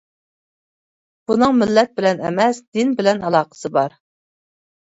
بۇنىڭ مىللەت بىلەن ئەمەس، دىن بىلەن ئالاقىسى بار.